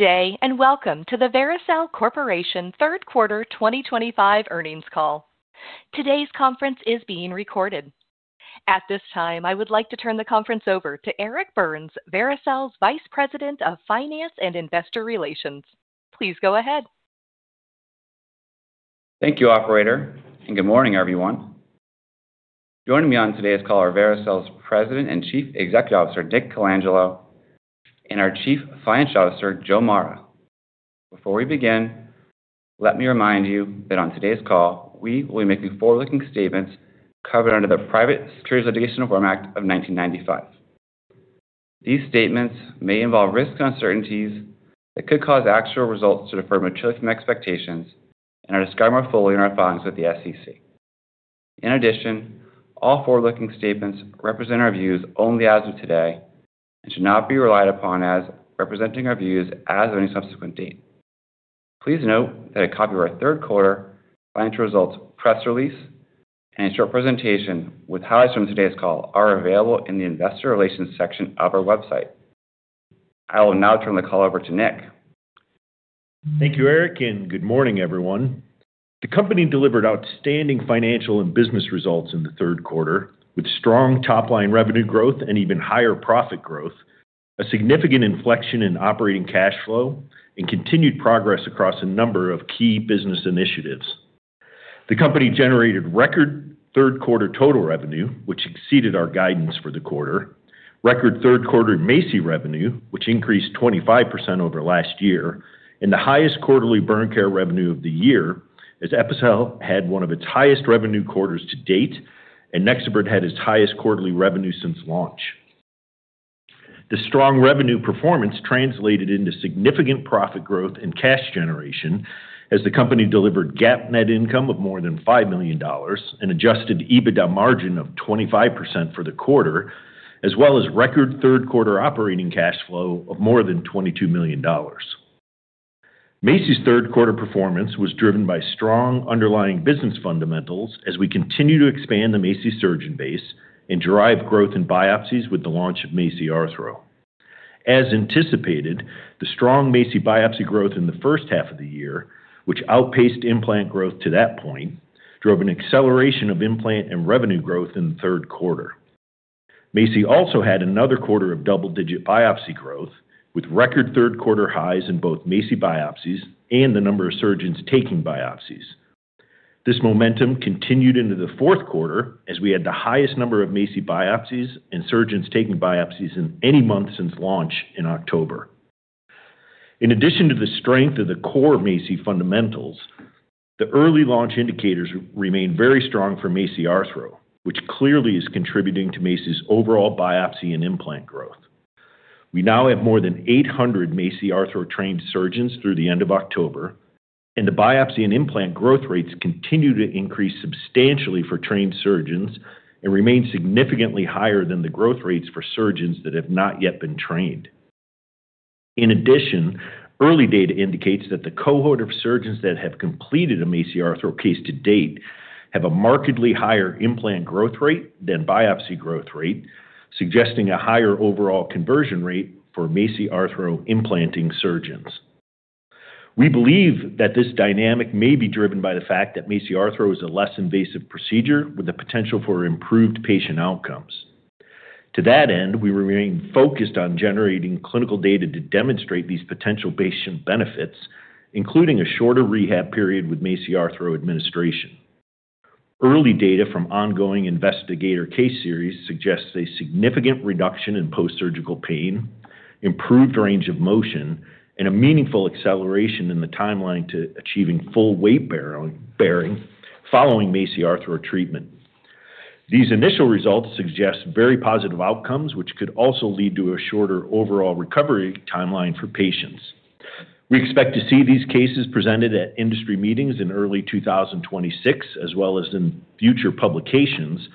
Good day and welcome to the Vericel Corporation Third Quarter 2025 earnings call. Today's conference is being recorded. At this time, I would like to turn the conference over to Eric Burns, Vericel's Vice President of Finance and Investor Relations. Please go ahead. Thank you, Operator, and good morning, everyone. Joining me on today's call are Vericel's President and Chief Executive Officer, Nick Colangelo, and our Chief Financial Officer, Joe Mara. Before we begin, let me remind you that on today's call, we will be making forward-looking statements covered under the Private Securities Litigation Reform Act of 1995. These statements may involve risks and uncertainties that could cause actual results to differ materially from expectations and are described more fully in our filings with the SEC. In addition, all forward-looking statements represent our views only as of today and should not be relied upon as representing our views as of any subsequent date. Please note that a copy of our Third Quarter Financial Results Press Release and a short presentation with highlights from today's call are available in the Investor Relations section of our website. I will now turn the call over to Nick. Thank you, Eric, and good morning, everyone. The company delivered outstanding financial and business results in the third quarter, with strong top-line revenue growth and even higher profit growth, a significant inflection in operating cash flow, and continued progress across a number of key business initiatives. The company generated record third-quarter total revenue, which exceeded our guidance for the quarter, record third-quarter MACI revenue, which increased 25% over last year, and the highest quarterly burn care revenue of the year, as Epicel had one of its highest revenue quarters to date, and NexoBrid had its highest quarterly revenue since launch. The strong revenue performance translated into significant profit growth and cash generation, as the company delivered GAAP net income of more than $5 million and Adjusted EBITDA margin of 25% for the quarter, as well as record third-quarter operating cash flow of more than $22 million. MACI's third-quarter performance was driven by strong underlying business fundamentals, as we continue to expand the MACI surgeon base and derive growth in biopsies with the launch of MACI Arthro. As anticipated, the strong MACI biopsy growth in the first half of the year, which outpaced implant growth to that point, drove an acceleration of implant and revenue growth in the third quarter. MACI also had another quarter of double-digit biopsy growth, with record third-quarter highs in both MACI biopsies and the number of surgeons taking biopsies. This momentum continued into the fourth quarter, as we had the highest number of MACI biopsies and surgeons taking biopsies in any month since launch in October. In addition to the strength of the core MACI fundamentals, the early launch indicators remain very strong for MACI Arthro, which clearly is contributing to MACI's overall biopsy and implant growth. We now have more than 800 MACI Arthro-trained surgeons through the end of October, and the biopsy and implant growth rates continue to increase substantially for trained surgeons and remain significantly higher than the growth rates for surgeons that have not yet been trained. In addition, early data indicates that the cohort of surgeons that have completed a MACI Arthro case to date have a markedly higher implant growth rate than biopsy growth rate, suggesting a higher overall conversion rate for MACI Arthro implanting surgeons. We believe that this dynamic may be driven by the fact that MACI Arthro is a less invasive procedure with the potential for improved patient outcomes. To that end, we remain focused on generating clinical data to demonstrate these potential patient benefits, including a shorter rehab period with MACI Arthro administration. Early data from ongoing investigator case series suggests a significant reduction in post-surgical pain, improved range of motion, and a meaningful acceleration in the timeline to achieving full weight-bearing following MACI Arthro treatment. These initial results suggest very positive outcomes, which could also lead to a shorter overall recovery timeline for patients. We expect to see these cases presented at industry meetings in early 2026, as well as in future publications,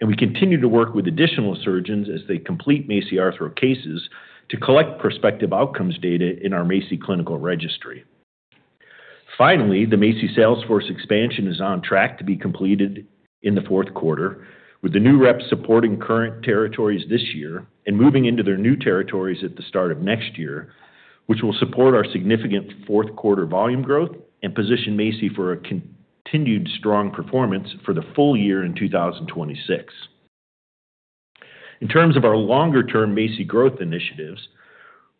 and we continue to work with additional surgeons as they complete MACI Arthro cases to collect prospective outcomes data in our MACI Clinical Registry. Finally, the MACI Salesforce Expansion is on track to be completed in the fourth quarter, with the new reps supporting current territories this year and moving into their new territories at the start of next year, which will support our significant fourth-quarter volume growth and position MACI for a continued strong performance for the full year in 2026. In terms of our longer-term MACI growth initiatives,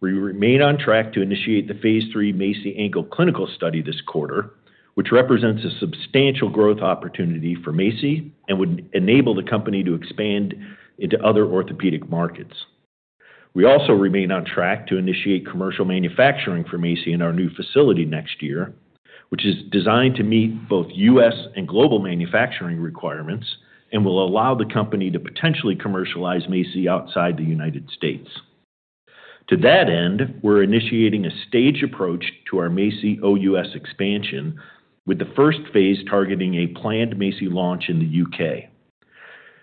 we remain on track to initiate the phase III MACI Ankle Clinical Study this quarter, which represents a substantial growth opportunity for MACI and would enable the company to expand into other orthopedic markets. We also remain on track to initiate commercial manufacturing for MACI in our new facility next year, which is designed to meet both U.S. and global manufacturing requirements and will allow the company to potentially commercialize MACI outside the United States. To that end, we're initiating a staged approach to our MACI OUS expansion, with the first phase targeting a planned MACI launch in the U.K.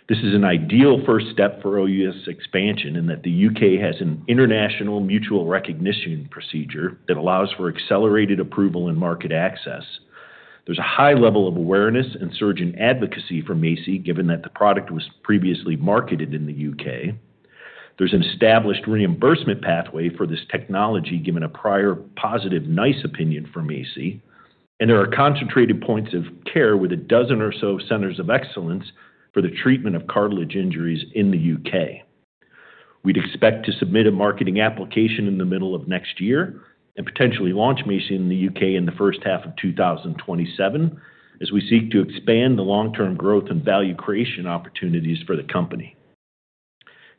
This is an ideal first step for OUS expansion in that the U.K., has an international mutual recognition procedure that allows for accelerated approval and market access. There's a high level of awareness and surgeon advocacy for MACI, given that the product was previously marketed in the U.K. There's an established reimbursement pathway for this technology, given a prior positive NICE opinion for MACI, and there are concentrated points of care with a dozen or so centers of excellence for the treatment of cartilage injuries in the U.K. We'd expect to submit a marketing application in the middle of next year and potentially launch MACI in the U.K. in the first half of 2027, as we seek to expand the long-term growth and value creation opportunities for the company.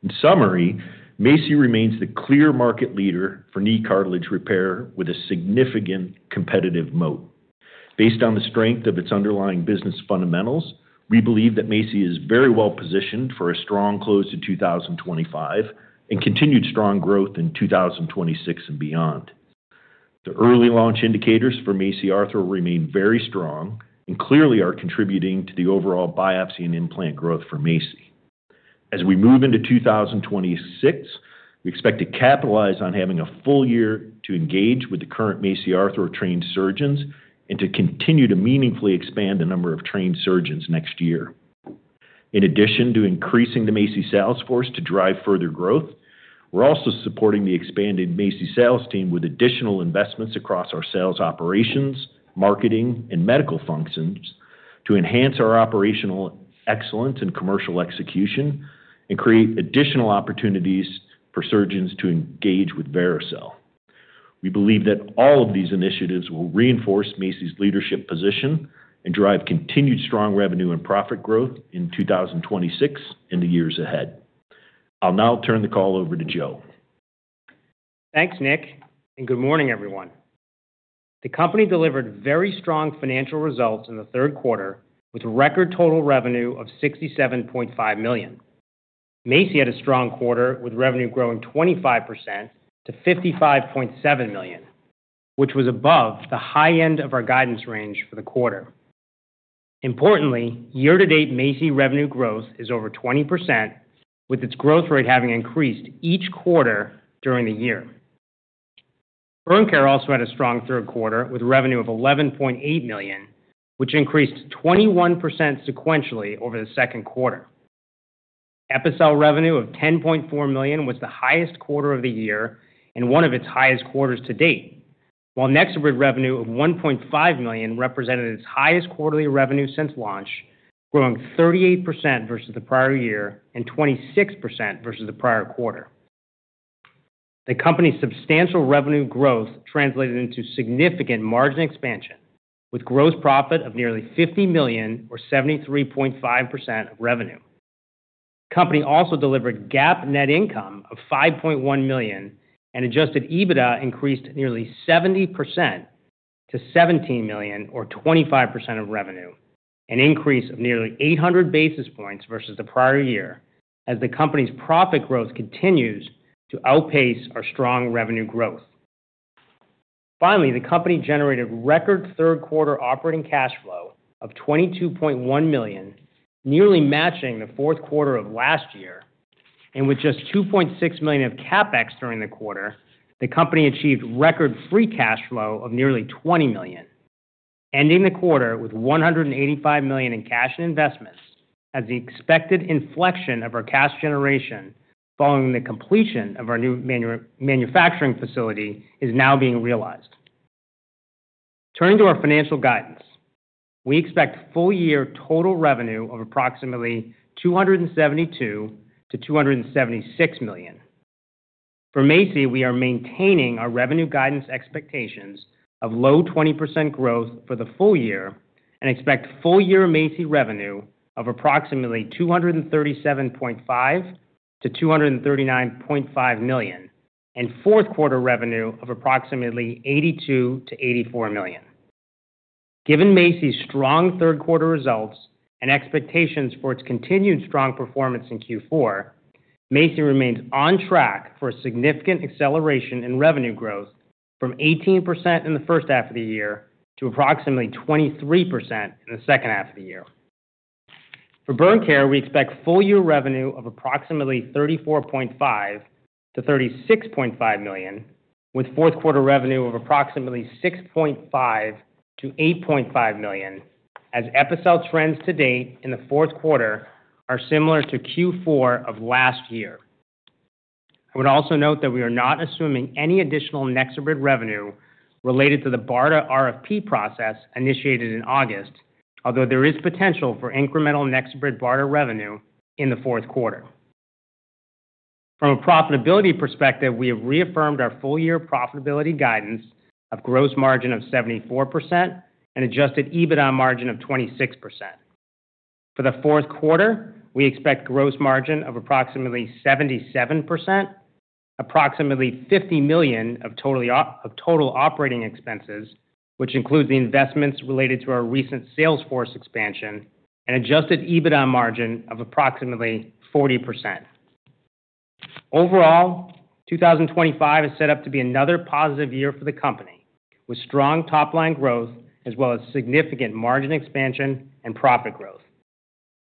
In summary, MACI remains the clear market leader for knee cartilage repair with a significant competitive moat. Based on the strength of its underlying business fundamentals, we believe that MACI is very well positioned for a strong close to 2025 and continued strong growth in 2026 and beyond. The early launch indicators for MACI Arthro remain very strong and clearly are contributing to the overall biopsy and implant growth for MACI. As we move into 2026, we expect to capitalize on having a full year to engage with the current MACI Arthro trained surgeons and to continue to meaningfully expand the number of trained surgeons next year. In addition to increasing the MACI Salesforce to drive further growth, we're also supporting the expanded MACI sales team with additional investments across our sales operations, marketing, and medical functions to enhance our operational excellence and commercial execution and create additional opportunities for surgeons to engage with Vericel. We believe that all of these initiatives will reinforce MACI's leadership position and drive continued strong revenue and profit growth in 2026 and the years ahead. I'll now turn the call over to Joe. Thanks, Nick, and good morning, everyone. The company delivered very strong financial results in the third quarter, with a record total revenue of $67.5 million. MACI had a strong quarter, with revenue growing 25% to $55.7 million, which was above the high end of our guidance range for the quarter. Importantly, year-to-date MACI revenue growth is over 20%, with its growth rate having increased each quarter during the year. Burn care also had a strong third quarter, with revenue of $11.8 million, which increased 21% sequentially over the second quarter. Epicel revenue of $10.4 million was the highest quarter of the year and one of its highest quarters to date, while NexoBrid revenue of $1.5 million represented its highest quarterly revenue since launch, growing 38% vs the prior year and 26% vs the prior quarter. The company's substantial revenue growth translated into significant margin expansion, with gross profit of nearly $50 million, or 73.5% of revenue. The company also delivered GAAP net income of $5.1 million, and Adjusted EBITDA increased nearly 70% to $17 million, or 25% of revenue, an increase of nearly 800 basis points vs the prior year, as the company's profit growth continues to outpace our strong revenue growth. Finally, the company generated record third-quarter operating cash flow of $22.1 million, nearly matching the fourth quarter of last year, and with just $2.6 million of CapEx during the quarter, the company achieved record free cash flow of nearly $20 million, ending the quarter with $185 million in cash and investments, as the expected inflection of our cash generation following the completion of our new manufacturing facility is now being realized. Turning to our financial guidance, we expect full-year total revenue of approximately $272 million-$276 million. For MACI, we are maintaining our revenue guidance expectations of low 20% growth for the full year and expect full-year MACI revenue of approximately $237.5 million-$239.5 million and fourth-quarter revenue of approximately $82 million-$84 million. Given MACI's strong third-quarter results and expectations for its continued strong performance in Q4, MACI remains on track for a significant acceleration in revenue growth from 18% in the first half of the year to approximately 23% in the second half of the year. For burn care, we expect full-year revenue of approximately $34.5 million-$36.5 million, with fourth-quarter revenue of approximately $6.5 million-$8.5 million, as Epicel trends to date in the fourth quarter are similar to Q4 of last year. I would also note that we are not assuming any additional NexoBrid revenue related to the BARDA (Biomedical Advanced Research and Development Authority) RFP (Request for Proposals) process initiated in August, although there is potential for incremental NexoBrid BARDA revenue in the fourth quarter. From a profitability perspective, we have reaffirmed our full-year profitability guidance of gross margin of 74% and Adjusted EBITDA margin of 26%. For the fourth quarter, we expect gross margin of approximately 77%. Approximately $50 million of total operating expenses, which includes the investments related to our recent Salesforce expansion, and Adjusted EBITDA margin of approximately 40%. Overall, 2025 is set up to be another positive year for the company, with strong top-line growth as well as significant margin expansion and profit growth.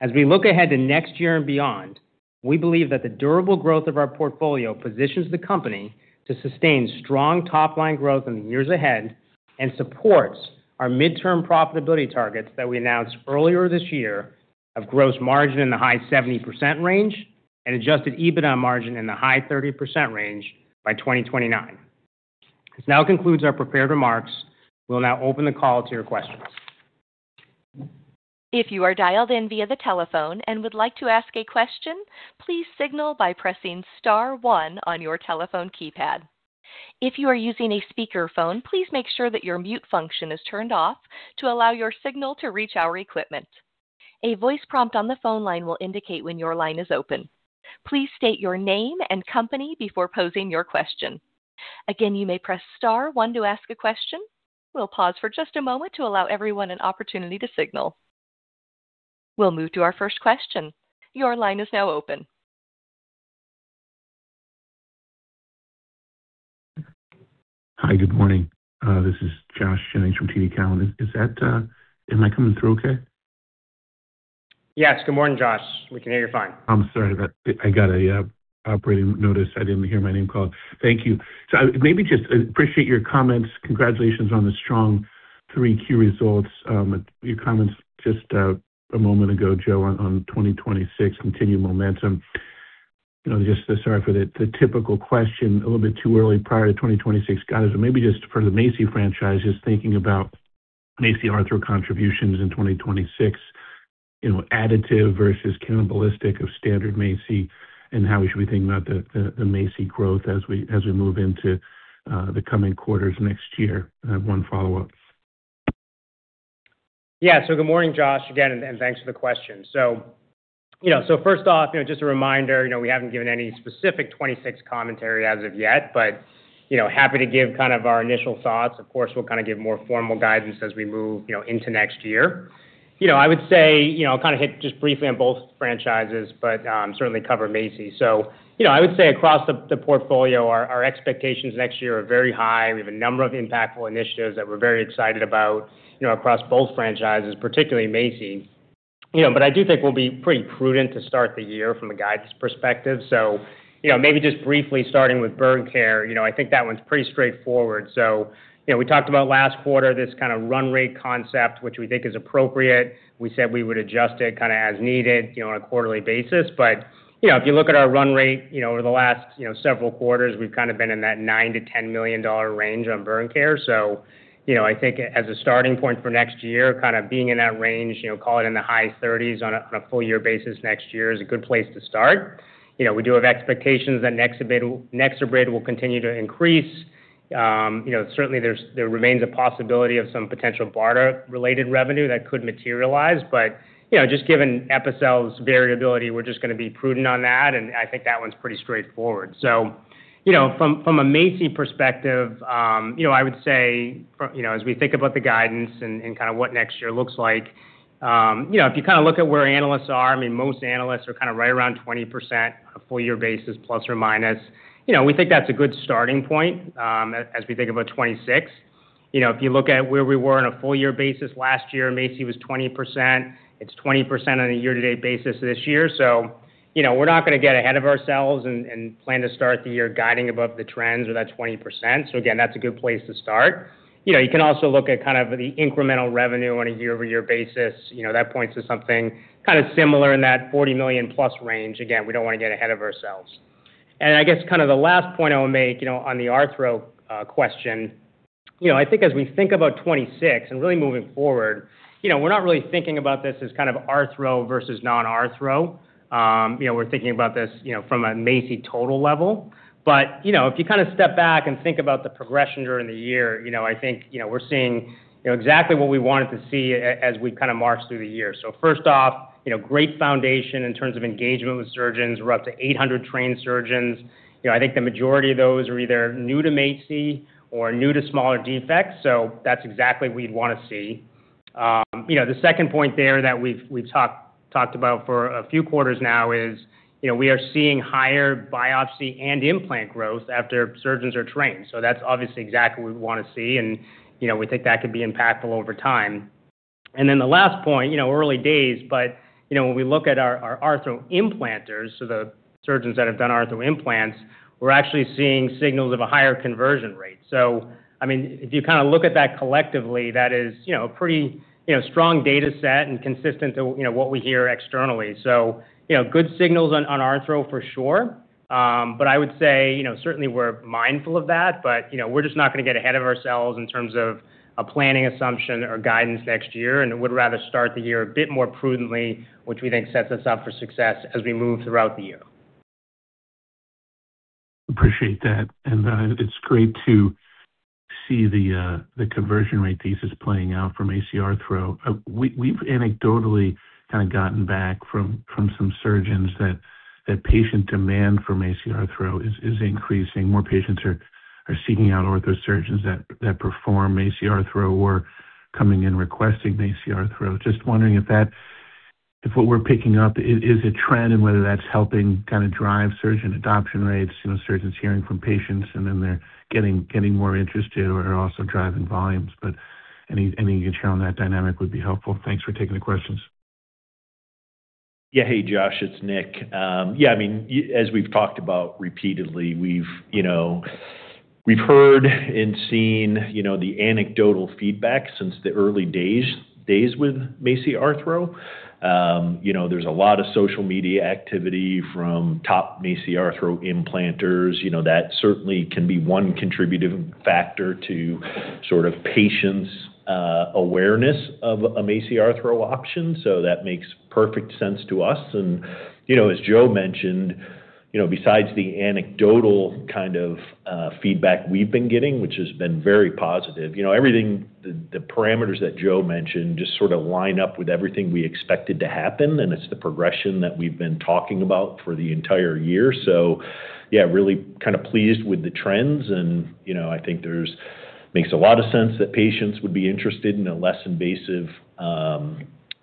As we look ahead to next year and beyond, we believe that the durable growth of our portfolio positions the company to sustain strong top-line growth in the years ahead and supports our midterm profitability targets that we announced earlier this year of gross margin in the high 70% range and Adjusted EBITDA margin in the high 30% range by 2029. This now concludes our prepared remarks. We'll now open the call to your questions. If you are dialed in via the telephone and would like to ask a question, please signal by pressing star one on your telephone keypad. If you are using a speakerphone, please make sure that your mute function is turned off to allow your signal to reach our equipment. A voice prompt on the phone line will indicate when your line is open. Please state your name and company before posing your question. Again, you may press star one to ask a question. We'll pause for just a moment to allow everyone an opportunity to signal. We'll move to our first question. Your line is now open. Hi, good morning. This is Josh Jennings from TD Cowen. Am I coming through okay? Yes, good morning, Josh. We can hear you fine. I'm sorry about that. I got an operating notice. I didn't hear my name called. Thank you. Maybe just appreciate your comments. Congratulations on the strong Q3 results. Your comments just a moment ago, Joe, on 2026, continued momentum. Sorry for the typical question a little bit too early prior to 2026. Got it. Maybe just for the MACI franchise, just thinking about MACI Arthro contributions in 2026. Additive vs cannibalistic of standard MACI, and how we should be thinking about the MACI growth as we move into the coming quarters next year? One follow-up. Yeah, so good morning, Josh, again, and thanks for the question. First off, just a reminder, we haven't given any specific 2026 commentary as of yet, but happy to give kind of our initial thoughts. Of course, we'll kind of give more formal guidance as we move into next year. I would say I'll kind of hit just briefly on both franchises, but certainly cover MACI. I would say across the portfolio, our expectations next year are very high. We have a number of impactful initiatives that we're very excited about across both franchises, particularly MACI. I do think we'll be pretty prudent to start the year from a guidance perspective. Maybe just briefly starting with burn care, I think that one's pretty straightforward. We talked about last quarter, this kind of run rate concept, which we think is appropriate. We said we would adjust it kind of as needed on a quarterly basis. But if you look at our run rate over the last several quarters, we've kind of been in that $9 million-$10 million range on burn care. So I think as a starting point for next year, kind of being in that range, call it in the high $30 million on a full-year basis next year is a good place to start. We do have expectations that NexoBrid will continue to increase. Certainly, there remains a possibility of some potential BARDA-related revenue that could materialize. But just given Epicel's variability, we're just going to be prudent on that, and I think that one's pretty straightforward. So. From a MACI perspective, I would say. As we think about the guidance and kind of what next year looks like, if you kind of look at where analysts are, I mean, most analysts are kind of right around 20% on a full-year basis ±. We think that's a good starting point. As we think about 2026. If you look at where we were on a full-year basis last year, MACI was 20%. It's 20% on a year-to-date basis this year. We're not going to get ahead of ourselves and plan to start the year guiding above the trends or that 20%. Again, that's a good place to start. You can also look at kind of the incremental revenue on a year-over-year basis. That points to something kind of similar in that $40 million+ range. Again, we don't want to get ahead of ourselves. I guess kind of the last point I will make on the Arthro question. I think as we think about 2026 and really moving forward, we're not really thinking about this as kind of Arthro vs non-Arthro. We're thinking about this from a MACI total level. If you kind of step back and think about the progression during the year, I think we're seeing exactly what we wanted to see as we kind of march through the year. First off, great foundation in terms of engagement with surgeons. We're up to 800 trained surgeons. I think the majority of those are either new to MACI or new to smaller defects. That's exactly what we'd want to see. The second point there that we've talked about for a few quarters now is we are seeing higher biopsy and implant growth after surgeons are trained. That is obviously exactly what we want to see. We think that could be impactful over time. The last point, early days, but when we look at our Arthro implanters, so the surgeons that have done Arthro implants, we are actually seeing signals of a higher conversion rate. I mean, if you kind of look at that collectively, that is a pretty strong data set and consistent to what we hear externally. Good signals on Arthro, for sure. I would say certainly we are mindful of that, but we are just not going to get ahead of ourselves in terms of a planning assumption or guidance next year, and would rather start the year a bit more prudently, which we think sets us up for success as we move throughout the year. Appreciate that. It's great to see the conversion rate thesis playing out from MACI Arthro. We've anecdotally kind of gotten back from some surgeons that patient demand from MACI Arthro is increasing. More patients are seeking out orthosurgeons that perform MACI Arthro or coming in requesting MACI Arthro. Just wondering if what we're picking up is a trend and whether that's helping kind of drive surgeon adoption rates, surgeons hearing from patients, and then they're getting more interested or also driving volumes. Any you can share on that dynamic would be helpful. Thanks for taking the questions. Yeah, hey, Josh, it's Nick. Yeah, I mean, as we've talked about repeatedly, we've heard and seen the anecdotal feedback since the early days with MACI Arthro. There's a lot of social media activity from top MACI Arthro implanters. That certainly can be one contributing factor to sort of patients' awareness of a MACI Arthro option. That makes perfect sense to us. As Joe mentioned, besides the anecdotal kind of feedback we've been getting, which has been very positive, the parameters that Joe mentioned just sort of line up with everything we expected to happen, and it's the progression that we've been talking about for the entire year. Yeah, really kind of pleased with the trends. I think it makes a lot of sense that patients would be interested in a less invasive.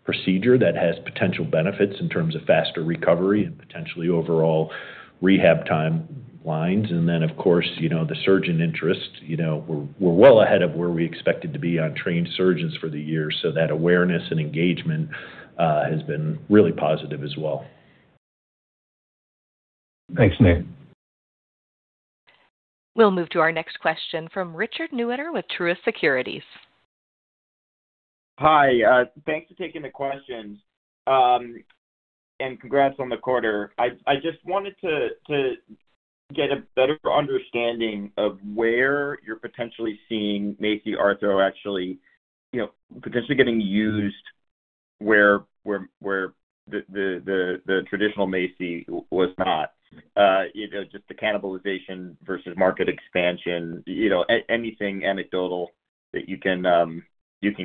Procedure that has potential benefits in terms of faster recovery and potentially overall rehab timelines. Of course, the surgeon interest. We are well ahead of where we expected to be on trained surgeons for the year. That awareness and engagement has been really positive as well. Thanks, Nick. We'll move to our next question from Richard Newitter with Truist Securities. Hi. Thanks for taking the question. Congrats on the quarter. I just wanted to get a better understanding of where you're potentially seeing MACI Arthro actually potentially getting used, where the traditional MACI was not. Just the cannibalization vs market expansion, anything anecdotal that you can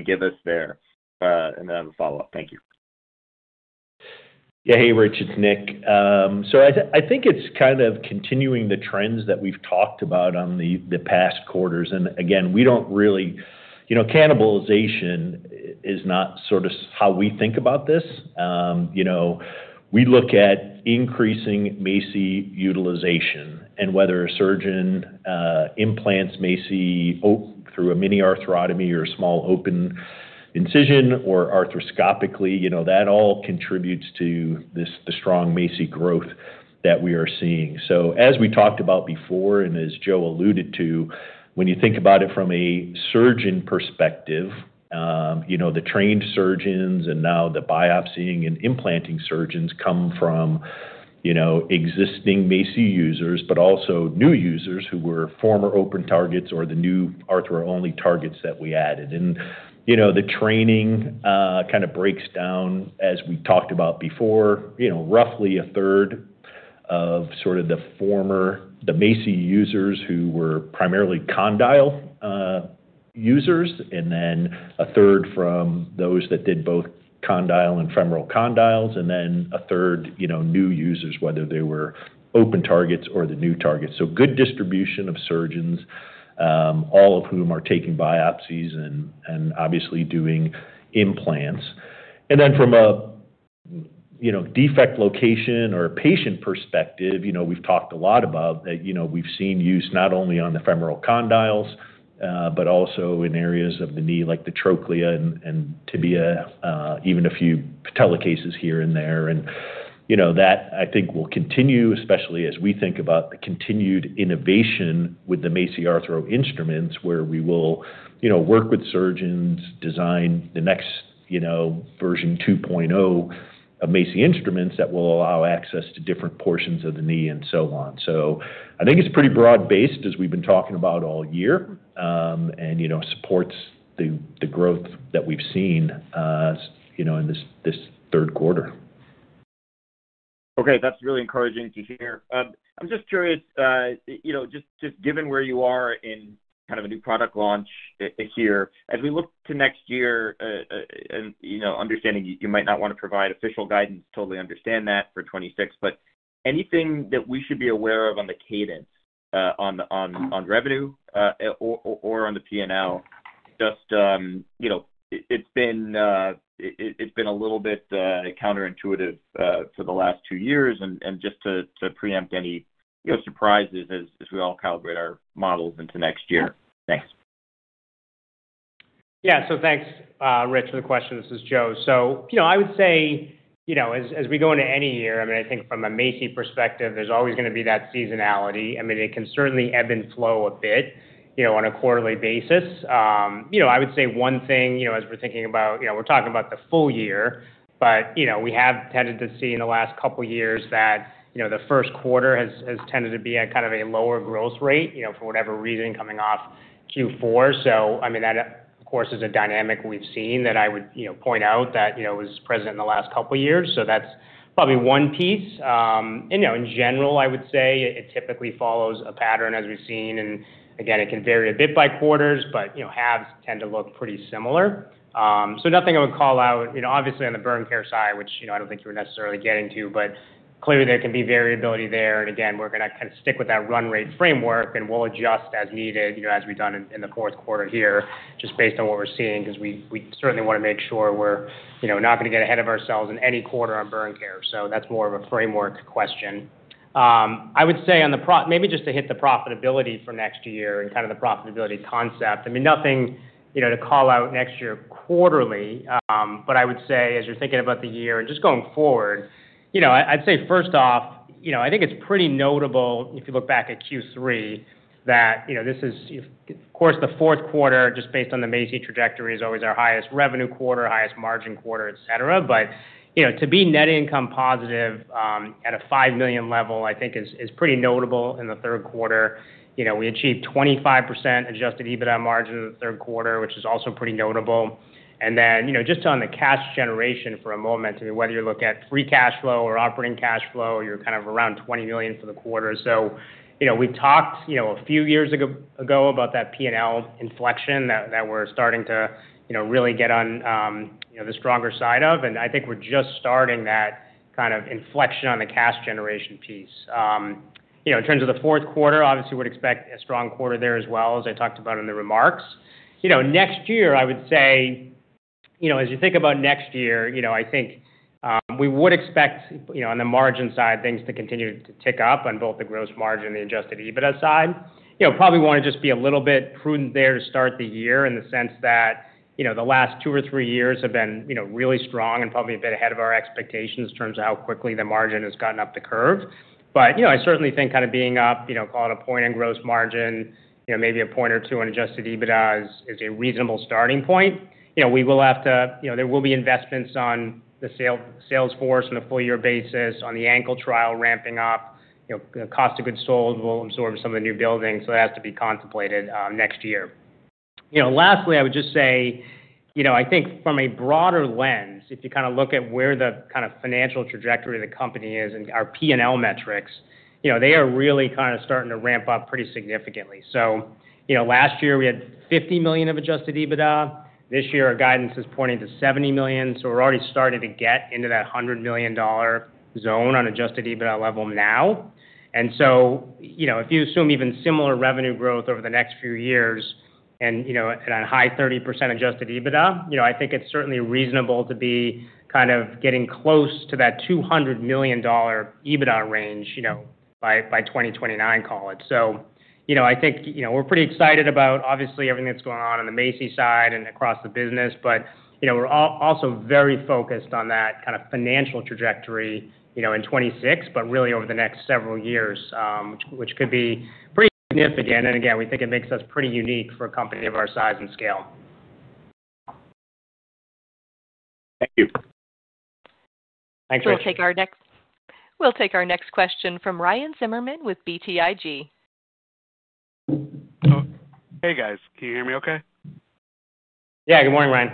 give us there. I have a follow-up. Thank you. Yeah, hey, Richard, it's Nick. I think it's kind of continuing the trends that we've talked about on the past quarters. Again, we don't really. Cannibalization is not sort of how we think about this. We look at increasing MACI utilization and whether a surgeon implants MACI through a mini arthrotomy or a small open incision or arthroscopically. That all contributes to the strong MACI growth that we are seeing. As we talked about before and as Joe alluded to, when you think about it from a surgeon perspective, the trained surgeons and now the biopsying and implanting surgeons come from existing MACI users, but also new users who were former open targets or the new Arthro-only targets that we added. The training kind of breaks down, as we talked about before, roughly a third of sort of the former MACI users who were primarily condyle. Users, and then a third from those that did both condyle and femoral condyles. Then a third new users, whether they were open targets or the new targets. Good distribution of surgeons, all of whom are taking biopsies and obviously doing implants. From a defect location or a patient perspective, we've talked a lot about that we've seen use not only on the femoral condyles but also in areas of the knee like the trochlea and tibia, even a few patella cases here and there. That, I think, will continue, especially as we think about the continued innovation with the MACI Arthro instruments, where we will work with surgeons, design the next version 2.0 of MACI instruments that will allow access to different portions of the knee and so on. I think it's pretty broad-based, as we've been talking about all year, and supports the growth that we've seen in this third quarter. Okay, that's really encouraging to hear. I'm just curious just given where you are in kind of a new product launch here, as we look to next year. And understanding you might not want to provide official guidance, totally understand that for 2026, but anything that we should be aware of on the cadence. On revenue or on the P&L, just. It's been a little bit counterintuitive for the last two years. And just to preempt any surprises as we all calibrate our models into next year. Thanks. Yeah, so thanks, Richard, for the question. This is Joe. I would say as we go into any year, I mean, I think from a MACI perspective, there's always going to be that seasonality. I mean, it can certainly ebb and flow a bit on a quarterly basis. I would say one thing as we're thinking about, we're talking about the full year, but we have tended to see in the last couple of years that the first quarter has tended to be at kind of a lower growth rate for whatever reason coming off Q4. I mean, that, of course, is a dynamic we've seen that I would point out that was present in the last couple of years. That's probably one piece. In general, I would say it typically follows a pattern as we've seen. It can vary a bit by quarters, but halves tend to look pretty similar. Nothing I would call out, obviously, on the burn care side, which I do not think you were necessarily getting to, but clearly there can be variability there. We are going to kind of stick with that run rate framework, and we will adjust as needed, as we have done in the fourth quarter here, just based on what we are seeing because we certainly want to make sure we are not going to get ahead of ourselves in any quarter on burn care. That is more of a framework question. I would say maybe just to hit the profitability for next year and kind of the profitability concept, nothing to call out next year quarterly, but I would say as you are thinking about the year and just going forward. I'd say first off, I think it's pretty notable if you look back at Q3 that this is, of course, the fourth quarter, just based on the MACI trajectory, is always our highest revenue quarter, highest margin quarter, etc. To be net income positive at a $5 million level, I think, is pretty notable in the third quarter. We achieved 25% Adjusted EBITDA margin in the third quarter, which is also pretty notable. And then just on the cash generation for a moment, I mean, whether you look at free cash flow or operating cash flow, you're kind of around $20 million for the quarter. We talked a few years ago about that P&L inflection that we're starting to really get on the stronger side of. I think we're just starting that kind of inflection on the cash generation piece. In terms of the fourth quarter, obviously, we'd expect a strong quarter there as well, as I talked about in the remarks. Next year, I would say. As you think about next year, I think we would expect on the margin side, things to continue to tick up on both the gross margin and the Adjusted EBITDA side. Probably want to just be a little bit prudent there to start the year in the sense that the last two or three years have been really strong and probably a bit ahead of our expectations in terms of how quickly the margin has gotten up the curve. I certainly think kind of being up, call it a point in gross margin, maybe a point or two on Adjusted EBITDA is a reasonable starting point. We will have to, there will be investments on the Salesforce on a full-year basis, on the ankle trial ramping up. The cost of goods sold will absorb some of the new building. That has to be contemplated next year. Lastly, I would just say, I think from a broader lens, if you kind of look at where the kind of financial trajectory of the company is and our P&L metrics, they are really kind of starting to ramp up pretty significantly. Last year, we had $50 million of Adjusted EBITDA. This year, our guidance is pointing to $70 million. We are already starting to get into that $100 million zone on Adjusted EBITDA level now. If you assume even similar revenue growth over the next few years and. A high 30% Adjusted EBITDA, I think it's certainly reasonable to be kind of getting close to that $200 million EBITDA range. By 2029, call it. I think we're pretty excited about, obviously, everything that's going on on the MACI side and across the business, but we're also very focused on that kind of financial trajectory in 2026, but really over the next several years, which could be pretty significant. Again, we think it makes us pretty unique for a company of our size and scale. Thank you. Thanks, Richard. We'll take our next question from Ryan Zimmerman with BTIG. Hey, guys. Can you hear me okay? Yeah, good morning, Ryan.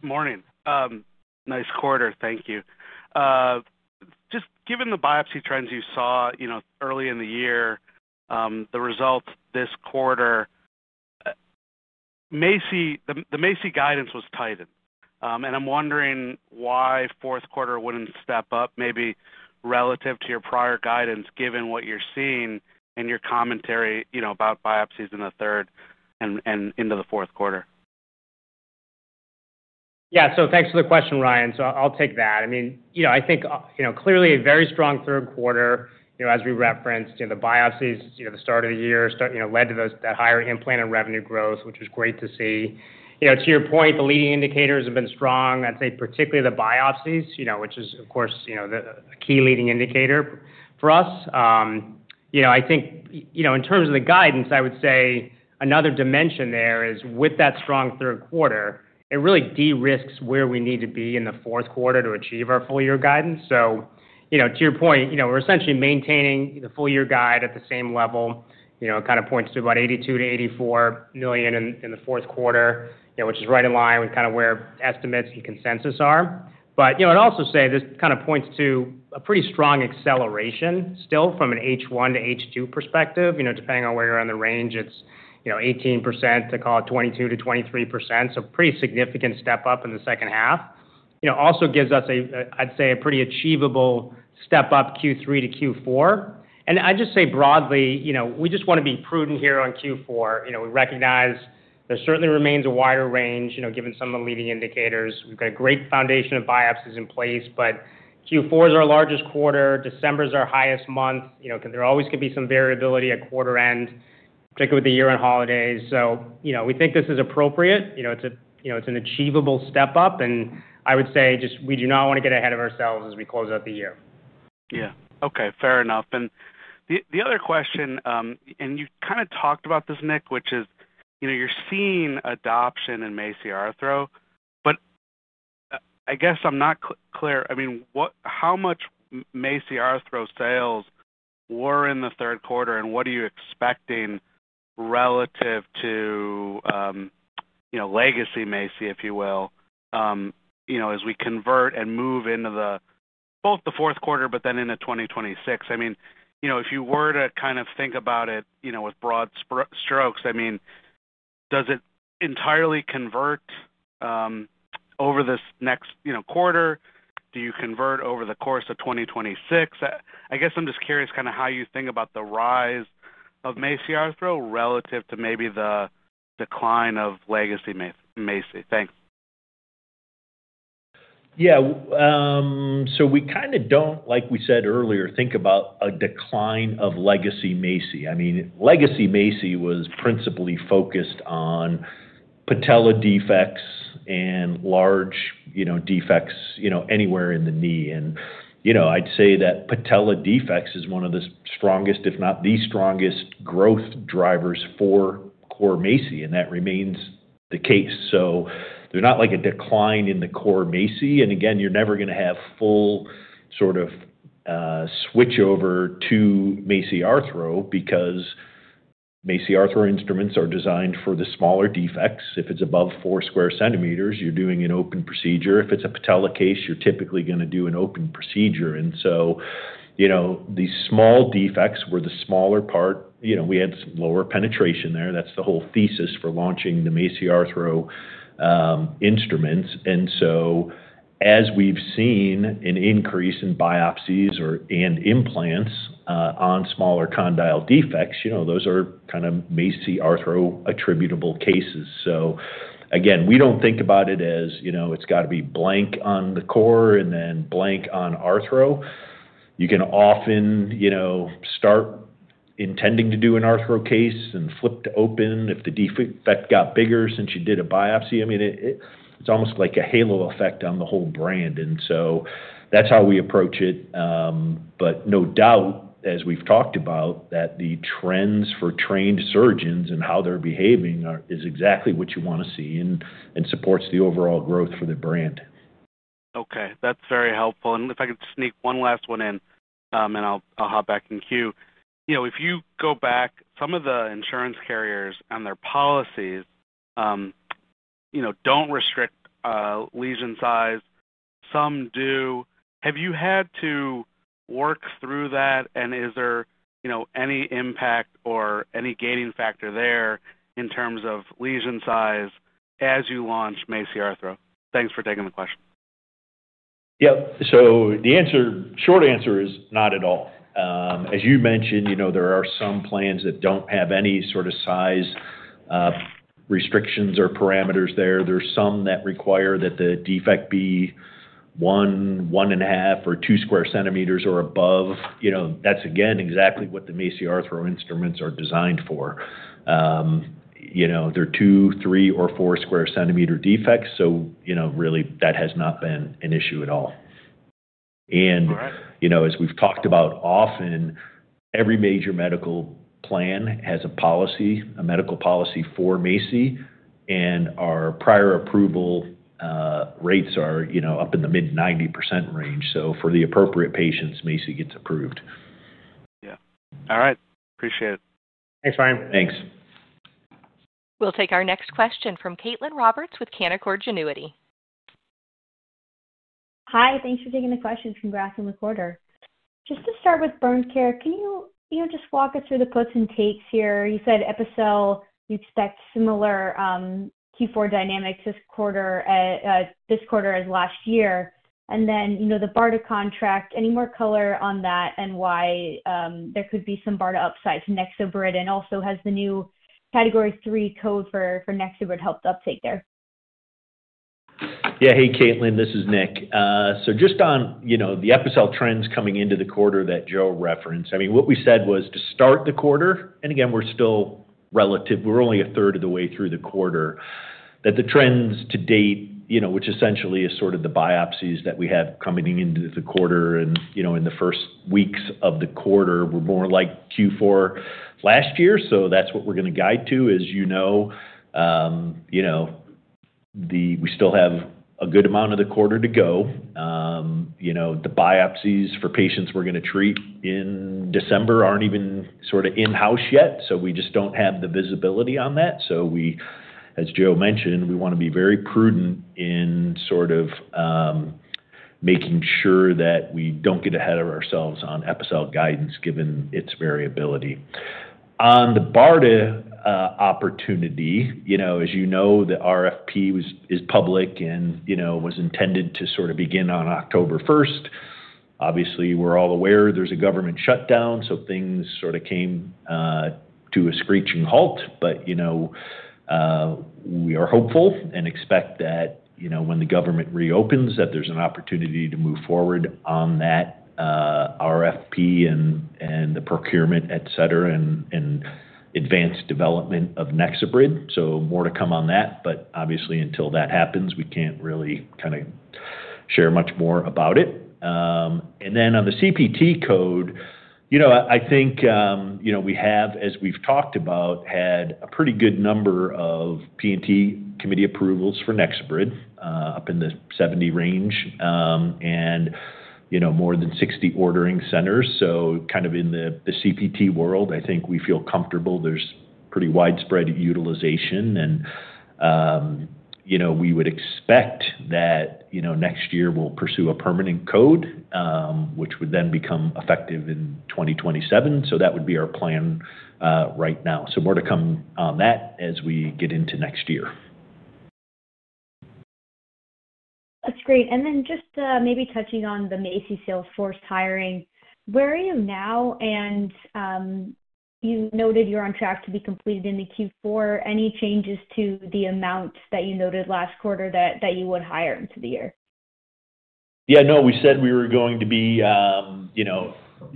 Morning. Nice quarter. Thank you. Just given the biopsy trends you saw early in the year, the results this quarter. The MACI guidance was tightened. I'm wondering why fourth quarter wouldn't step up, maybe relative to your prior guidance, given what you're seeing and your commentary about biopsies in the third and into the fourth quarter. Yeah, so thanks for the question, Ryan. I'll take that. I mean, I think clearly a very strong third quarter, as we referenced, the biopsies at the start of the year led to that higher implant and revenue growth, which was great to see. To your point, the leading indicators have been strong. I'd say particularly the biopsies, which is, of course, a key leading indicator for us. I think in terms of the guidance, I would say another dimension there is with that strong third quarter, it really de-risks where we need to be in the fourth quarter to achieve our full-year guidance. To your point, we're essentially maintaining the full-year guide at the same level. It kind of points to about $82 million-$84 million in the fourth quarter, which is right in line with kind of where estimates and consensus are. I'd also say this kind of points to a pretty strong acceleration still from an H1-H2 perspective. Depending on where you're on the range, it's 18% to, call it, 22%-23%. Pretty significant step up in the second half. Also gives us, I'd say, a pretty achievable step up Q3-Q4. I'd just say broadly, we just want to be prudent here on Q4. We recognize there certainly remains a wider range given some of the leading indicators. We've got a great foundation of biopsies in place, but Q4 is our largest quarter. December is our highest month. There always can be some variability at quarter end, particularly with the year-end holidays. We think this is appropriate. It's an achievable step up. I would say just we do not want to get ahead of ourselves as we close out the year. Yeah. Okay. Fair enough. The other question, and you kind of talked about this, Nick, which is you're seeing adoption in MACI Arthro, but I guess I'm not clear. I mean, how much MACI Arthro sales were in the third quarter and what are you expecting relative to legacy MACI, if you will, as we convert and move into both the fourth quarter, but then into 2026? I mean, if you were to kind of think about it with broad strokes, I mean, does it entirely convert over this next quarter? Do you convert over the course of 2026? I guess I'm just curious kind of how you think about the rise of MACI Arthro relative to maybe the decline of legacy MACI. Thanks. Yeah. So we kind of don't, like we said earlier, think about a decline of legacy MACI. I mean, legacy MACI was principally focused on patella defects and large defects anywhere in the knee. I’d say that patella defects is one of the strongest, if not the strongest, growth drivers for core MACI. That remains the case. There’s not like a decline in the core MACI. Again, you’re never going to have full sort of switch over to MACI Arthro because MACI Arthro instruments are designed for the smaller defects. If it’s above 4 sq cm, you’re doing an open procedure. If it’s a patella case, you’re typically going to do an open procedure. These small defects were the smaller part. We had lower penetration there. That’s the whole thesis for launching the MACI Arthro instruments. As we've seen an increase in biopsies and implants on smaller condyle defects, those are kind of MACI Arthro-attributable cases. Again, we do not think about it as it's got to be blank on the core and then blank on Arthro. You can often start intending to do an Arthro case and flip to open if the defect got bigger since you did a biopsy. I mean, it's almost like a halo effect on the whole brand. That is how we approach it. No doubt, as we've talked about, the trends for trained surgeons and how they're behaving is exactly what you want to see and supports the overall growth for the brand. Okay. That's very helpful. If I could sneak one last one in, I'll hop back in queue. If you go back, some of the insurance carriers and their policies do not restrict lesion size. Some do. Have you had to work through that? Is there any impact or any gating factor there in terms of lesion size as you launch MACI Arthro? Thanks for taking the question. Yep. The short answer is not at all. As you mentioned, there are some plans that do not have any sort of size restrictions or parameters there. There are some that require that the defect be one, one and a half, or two sq cm or above. That is, again, exactly what the MACI Arthro instruments are designed for. They are two, three, or four sq cm defects. That has not been an issue at all. As we have talked about often, every major medical plan has a policy, a medical policy for MACI. Our prior approval rates are up in the mid-90% range. For the appropriate patients, MACI gets approved. Yeah. All right. Appreciate it. Thanks, Ryan. Thanks. We'll take our next question from Caitlin Roberts with Canaccord Genuity. Hi. Thanks for taking the question. Congrats on the quarter. Just to start with burn care, can you just walk us through the puts and takes here? You said Epicel, you expect similar Q4 dynamics this quarter as last year. And then the BARDA contract, any more color on that and why there could be some BARDA upsides? NexoBrid and also has the new category three code for NexoBrid helped uptake there. Yeah. Hey, Caitlin, this is Nick. Just on the Epicel trends coming into the quarter that Joe referenced, I mean, what we said was to start the quarter, and again, we're still relative, we're only a third of the way through the quarter, that the trends to date, which essentially is sort of the biopsies that we have coming into the quarter and in the first weeks of the quarter, were more like Q4 last year. That is what we're going to guide to, as you know. We still have a good amount of the quarter to go. The biopsies for patients we're going to treat in December are not even sort of in-house yet. We just do not have the visibility on that. As Joe mentioned, we want to be very prudent in sort of. Making sure that we don't get ahead of ourselves on Epicel guidance, given its variability. On the BARDA opportunity, as you know, the RFP is public and was intended to sort of begin on October 1. Obviously, we're all aware there's a government shutdown, so things sort of came to a screeching halt. We are hopeful and expect that when the government reopens, that there's an opportunity to move forward on that RFP and the procurement, etc., and advanced development of NexoBrid. More to come on that. Obviously, until that happens, we can't really kind of share much more about it. On the CPT code, I think we have, as we've talked about, had a pretty good number of P&T committee approvals for NexoBrid up in the 70 range, and more than 60 ordering centers. Kind of in the CPT world, I think we feel comfortable. There's pretty widespread utilization. We would expect that next year we'll pursue a permanent code, which would then become effective in 2027. That would be our plan right now. More to come on that as we get into next year. That's great. And then just maybe touching on the MACI Salesforce hiring, where are you now? You noted you're on track to be completed in the Q4. Any changes to the amounts that you noted last quarter that you would hire into the year? Yeah. No, we said we were going to be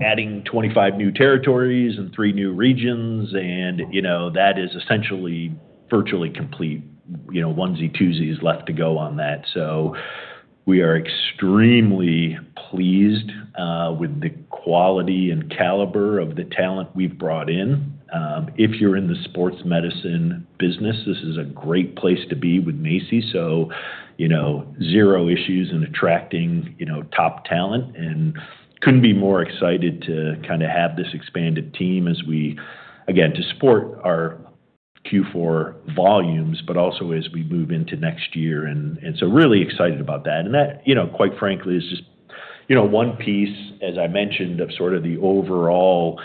adding 25 new territories and three new regions. That is essentially virtually complete. Onesie, twosies left to go on that. We are extremely pleased with the quality and caliber of the talent we've brought in. If you're in the sports medicine business, this is a great place to be with MACI. Zero issues in attracting top talent. Couldn't be more excited to kind of have this expanded team as we, again, to support our Q4 volumes, but also as we move into next year. Really excited about that. That, quite frankly, is just one piece, as I mentioned, of sort of the overall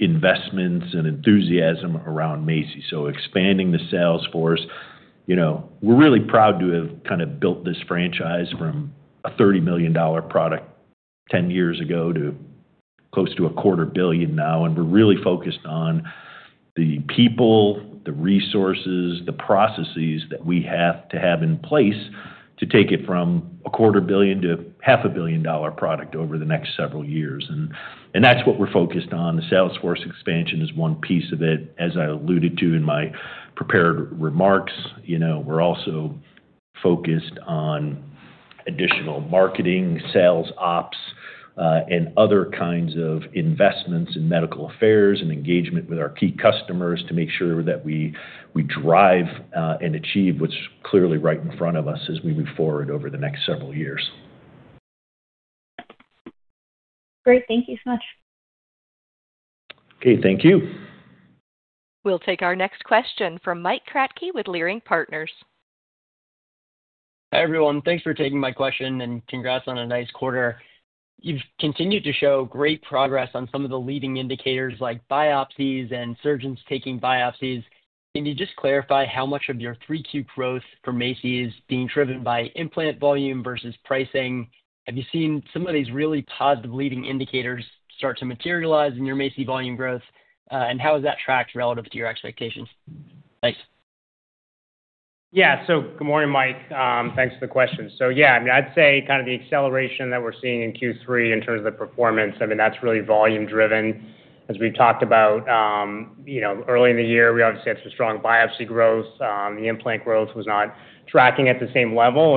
investments and enthusiasm around MACI. Expanding the sales force. We're really proud to have kind of built this franchise from a $30 million product 10 years ago to close to a quarter billion now. We're really focused on the people, the resources, the processes that we have to have in place to take it from a quarter billion to a $500 million product over the next several years. That's what we're focused on. The sales force expansion is one piece of it, as I alluded to in my prepared remarks. We're also focused on additional marketing, sales ops, and other kinds of investments in medical affairs and engagement with our key customers to make sure that we drive and achieve what's clearly right in front of us as we move forward over the next several years. Great. Thank you so much. Okay. Thank you. We'll take our next question from Mike Kratky with Leerink Partners. Hi, everyone. Thanks for taking my question and congrats on a nice quarter. You've continued to show great progress on some of the leading indicators like biopsies and surgeons taking biopsies. Can you just clarify how much of your three-quarter growth for MACI is being driven by implant volume vs pricing? Have you seen some of these really positive leading indicators start to materialize in your MACI volume growth? How is that tracked relative to your expectations? Thanks. Yeah. Good morning, Mike. Thanks for the question. Yeah, I mean, I'd say kind of the acceleration that we're seeing in Q3 in terms of the performance, I mean, that's really volume-driven. As we've talked about, early in the year, we obviously had some strong biopsy growth. The implant growth was not tracking at the same level.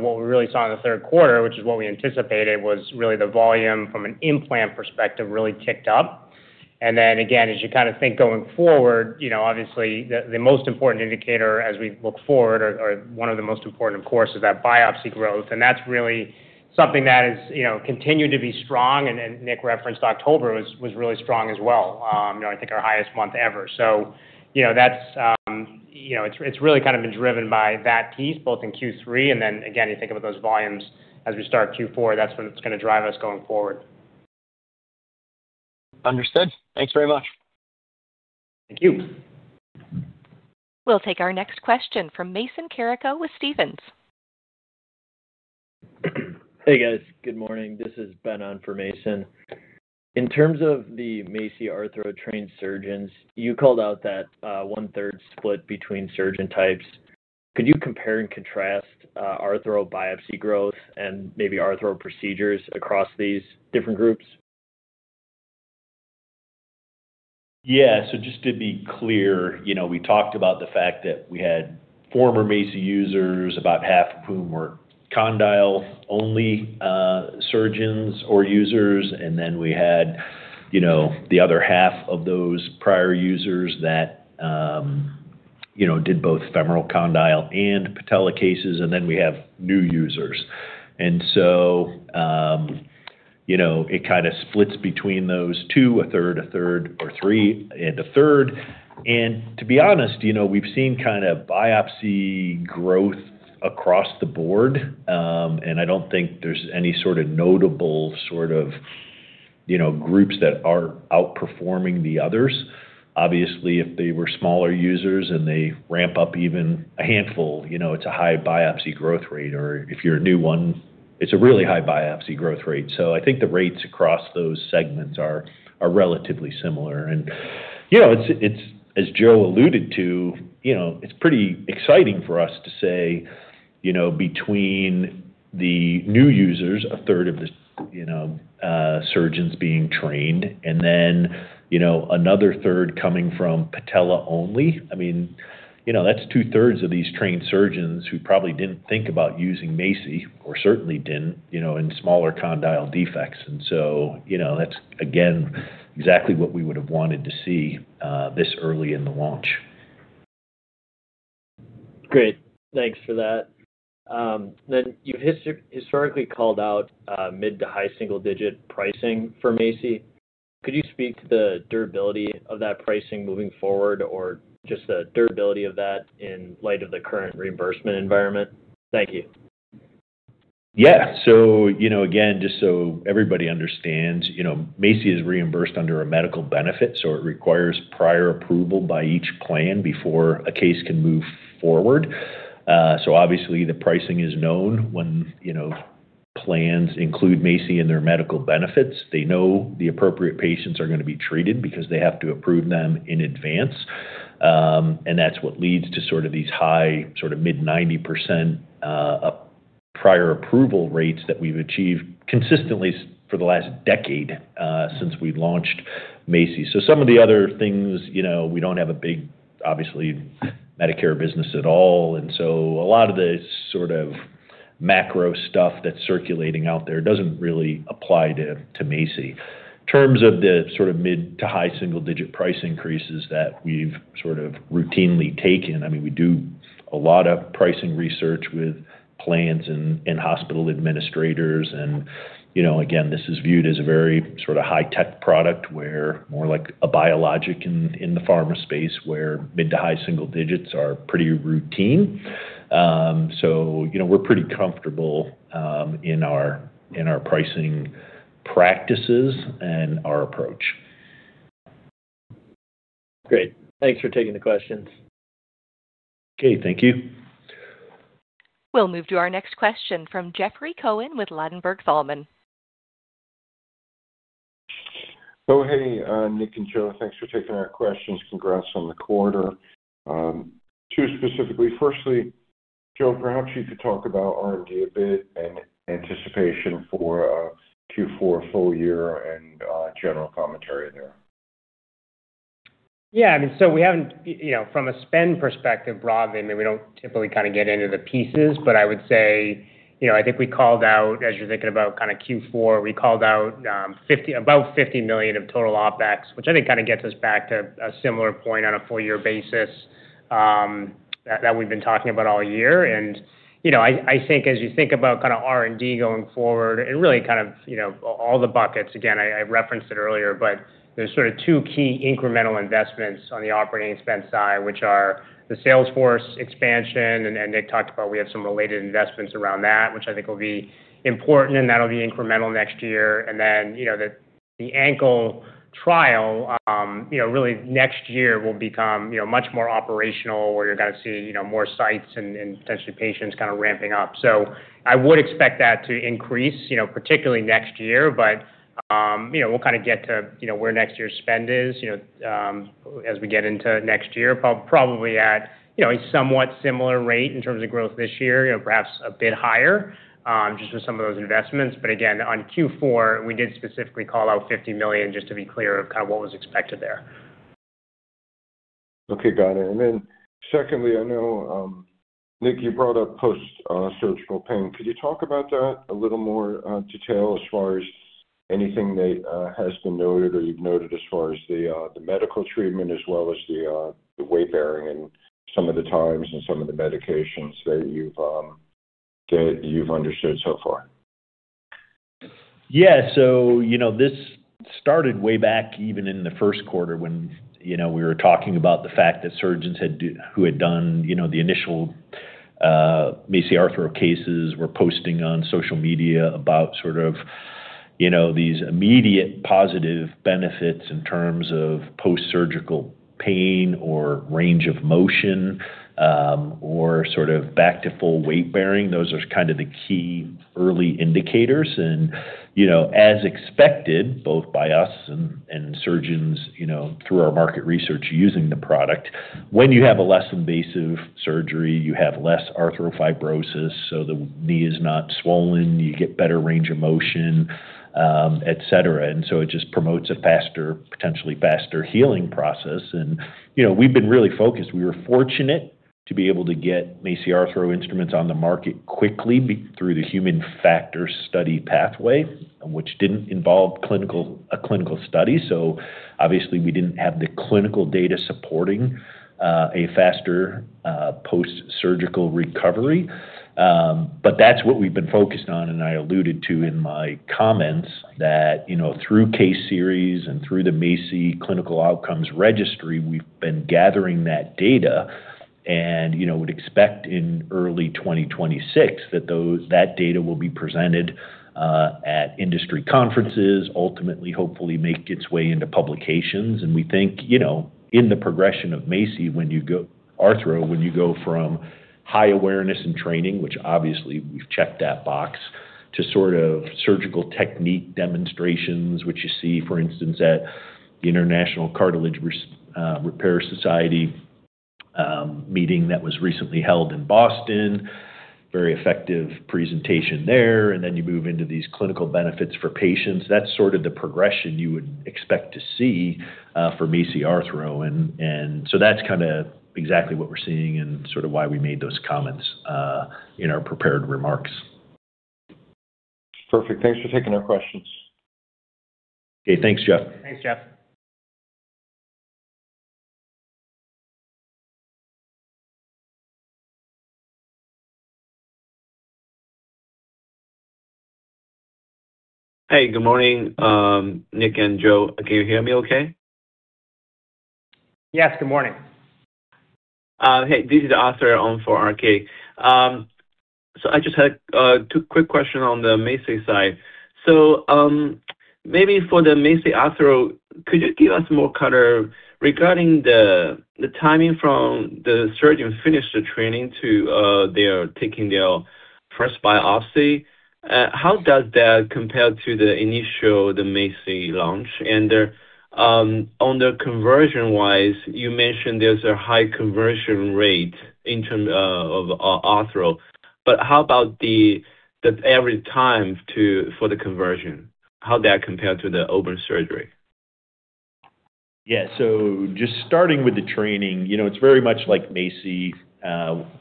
What we really saw in the third quarter, which is what we anticipated, was really the volume from an implant perspective really ticked up. Again, as you kind of think going forward, obviously, the most important indicator as we look forward, or one of the most important, of course, is that biopsy growth. That's really something that has continued to be strong. Nick referenced October was really strong as well. I think our highest month ever. So that's. It's really kind of been driven by that piece, both in Q3. Then again, you think about those volumes as we start Q4, that's what is going to drive us going forward. Understood. Thanks very much. Thank you. We'll take our next question from Mason Carrico with Stephens. Hey, guys. Good morning. This is Ben on for Mason. In terms of the MACI Arthro trained surgeons, you called out that one-third split between surgeon types. Could you compare and contrast Arthro biopsy growth and maybe Arthro procedures across these different groups? Yeah. Just to be clear, we talked about the fact that we had former MACI users, about half of whom were condyle-only surgeons or users. Then we had the other half of those prior users that did both femoral condyle and patella cases. Then we have new users. It kind of splits between those two, a third, a third, or three, and a third. To be honest, we've seen kind of biopsy growth across the board. I don't think there's any sort of notable groups that are outperforming the others. Obviously, if they were smaller users and they ramp up even a handful, it's a high biopsy growth rate. Or if you're a new one, it's a really high biopsy growth rate. I think the rates across those segments are relatively similar. As Joe alluded to. It's pretty exciting for us to say. Between the new users, a third of the surgeons being trained, and then another third coming from patella-only. I mean, that's two-thirds of these trained surgeons who probably didn't think about using MACI, or certainly didn't, in smaller condyle defects. And so that's, again, exactly what we would have wanted to see this early in the launch. Great. Thanks for that. Then you've historically called out mid to high single-digit pricing for MACI. Could you speak to the durability of that pricing moving forward, or just the durability of that in light of the current reimbursement environment? Thank you. Yeah. So again, just so everybody understands, MACI is reimbursed under a medical benefit. It requires prior approval by each plan before a case can move forward. Obviously, the pricing is known when plans include MACI in their medical benefits. They know the appropriate patients are going to be treated because they have to approve them in advance. That is what leads to these high, sort of mid-90% prior approval rates that we have achieved consistently for the last decade since we launched MACI. Some of the other things, we do not have a big, obviously, Medicare business at all. A lot of the macro-stuff that is circulating out there does not really apply to MACI. In terms of the sort of mid to high single-digit price increases that we've sort of routinely taken, I mean, we do a lot of pricing research with plans and hospital administrators. Again, this is viewed as a very sort of high-tech product where more like a biologic in the pharma space where mid to high single digits are pretty routine. We are pretty comfortable in our pricing practices and our approach. Great. Thanks for taking the questions. Okay. Thank you. We'll move to our next question from Jeffrey Cohen with Ladenburg Thalmann. Hey, Nick and Joe, thanks for taking our questions. Congrats on the quarter. Two specifically. Firstly, Joe, perhaps you could talk about R&D a bit and anticipation for Q4 full year and general commentary there. Yeah. I mean, we haven't from a spend perspective, broadly, I mean, we don't typically kind of get into the pieces. I would say, I think we called out, as you're thinking about kind of Q4, we called out about $50 million of total OpEx, which I think kind of gets us back to a similar point on a full-year basis that we've been talking about all year. I think as you think about kind of R&D going forward, it really kind of all the buckets, again, I referenced it earlier, but there's sort of two key incremental investments on the operating expense side, which are the salesforce expansion. Nick talked about we have some related investments around that, which I think will be important, and that'll be incremental next year. Then the Ankle Trial, really next year, will become much more operational, where you're going to see more sites and potentially patients kind of ramping up. I would expect that to increase, particularly next year. We'll kind of get to where next year's spend is as we get into next year, probably at a somewhat similar rate in terms of growth this year, perhaps a bit higher just for some of those investments. Again, on Q4, we did specifically call out $50 million, just to be clear of kind of what was expected there. Okay. Got it. Then secondly, I know. Nick, you brought up post-surgical pain. Could you talk about that in a little more detail as far as anything that has been noted or you've noted as far as the medical treatment as well as the weight-bearing and some of the times and some of the medications that you've understood so far? Yeah. This started way back even in the first quarter when we were talking about the fact that surgeons who had done the initial MACI Arthro cases were posting on social media about sort of these immediate positive benefits in terms of post-surgical pain or range of motion or sort of back to full weight-bearing. Those are kind of the key early indicators. As expected, both by us and surgeons through our market research using the product, when you have a less invasive surgery, you have less arthrofibrosis. The knee is not swollen. You get better range of motion, etc. It just promotes a potentially faster healing process. We have been really focused. We were fortunate to be able to get MACI Arthro instruments on the market quickly through the human factor study pathway, which did not involve a clinical study. Obviously, we didn't have the clinical data supporting a faster post-surgical recovery. That's what we've been focused on. I alluded to in my comments that through case series and through the MACI Clinical Outcomes Registry, we've been gathering that data. We'd expect in early 2026 that that data will be presented at industry conferences, ultimately, hopefully, make its way into publications. We think in the progression of MACI Arthro, when you go from high awareness and training, which obviously we've checked that box, to sort of surgical technique demonstrations, which you see, for instance, at the International Cartilage Repair Society meeting that was recently held in Boston, very effective presentation there, and then you move into these clinical benefits for patients. That's sort of the progression you would expect to see for MACI Arthro. That is kind of exactly what we are seeing and sort of why we made those comments in our prepared remarks. Perfect. Thanks for taking our questions. Okay. Thanks, Jeffrey. Thanks, Jeffrey. Hey, good morning. Nick and Joe, can you hear me okay? Yes. Good morning. Hey, this is Arthur on for RK. I just had a quick question on the MACI side. Maybe for the MACI Arthro, could you give us more color regarding the timing from the surgeons finish the training to they are taking their first biopsy? How does that compare to the initial, the MACI launch? On the conversion-wise, you mentioned there's a high conversion rate in terms of Arthro. How about the average time for the conversion? How that compares to the open surgery? Yeah. Just starting with the training, it's very much like MACI,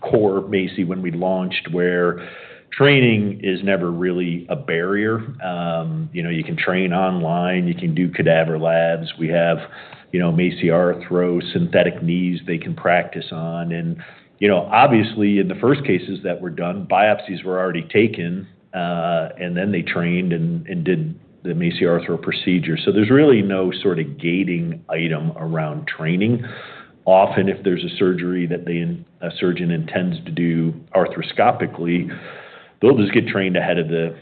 core MACI when we launched, where training is never really a barrier. You can train online. You can do cadaver labs. We have MACI Arthro synthetic knees they can practice on. Obviously, in the first cases that were done, biopsies were already taken. Then they trained and did the MACI Arthro procedure. There's really no sort of gating item around training. Often, if there's a surgery that a surgeon intends to do arthroscopically, they'll just get trained ahead of the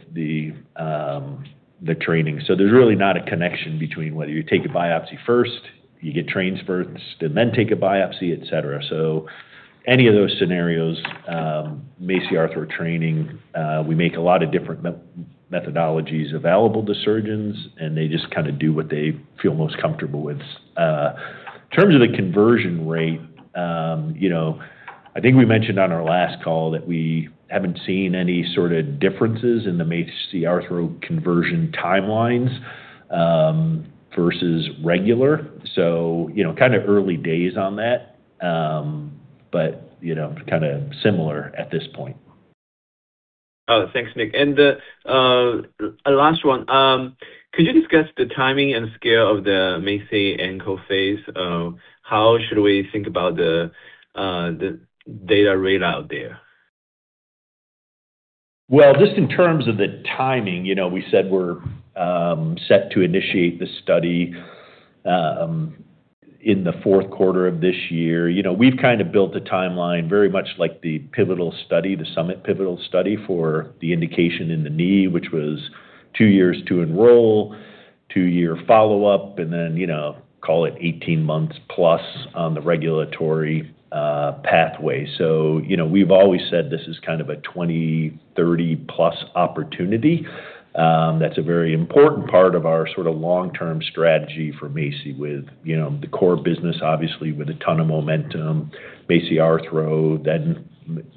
training. There's really not a connection between whether you take a biopsy first, you get trained first and then take a biopsy, etc. Any of those scenarios, MACI Arthro training, we make a lot of different methodologies available to surgeons, and they just kind of do what they feel most comfortable with. In terms of the conversion rate, I think we mentioned on our last call that we have not seen any sort of differences in the MACI Arthro conversion timelines vs regular. Kind of early days on that, but kind of similar at this point. Oh, thanks, Nick. The last one. Could you discuss the timing and scale of the MACI Ankle phase? How should we think about the data readout there? Just in terms of the timing, we said we're set to initiate the study in the fourth quarter of this year. We've kind of built a timeline very much like the pivotal study, the SUMMIT pivotal study for the indication in the knee, which was two years to enroll, two-year follow-up, and then call it 18 months+ on the regulatory pathway. We've always said this is kind of a 20-30+ opportunity. That's a very important part of our sort of long-term strategy for MACI with the core business, obviously, with a ton of momentum, MACI Arthro, then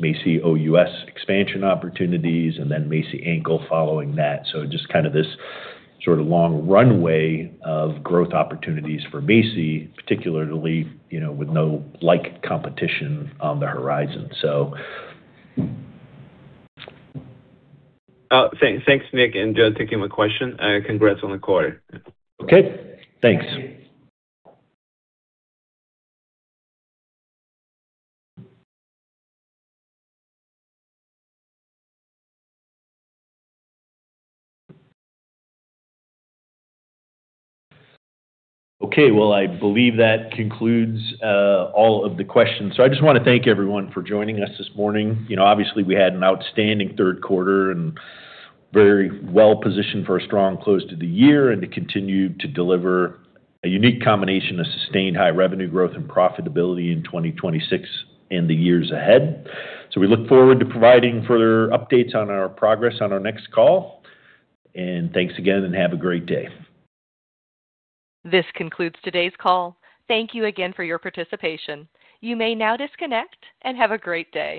MACI OUS expansion opportunities, and then MACI Ankle following that. Just kind of this sort of long runway of growth opportunities for MACI, particularly with no like competition on the horizon. Thanks, Nick. And Joe, taking my question, congrats on the quarter. Okay. Thanks. Okay. I believe that concludes all of the questions. I just want to thank everyone for joining us this morning. Obviously, we had an outstanding third quarter and are very well positioned for a strong close to the year and to continue to deliver a unique combination of sustained high revenue growth and profitability in 2026 and the years ahead. We look forward to providing further updates on our progress on our next call. Thanks again and have a great day. This concludes today's call. Thank you again for your participation. You may now disconnect and have a great day.